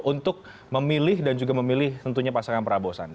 untuk memilih dan juga memilih tentunya pasangan prabowo sandi